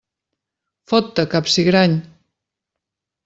Fot-te, capsigrany!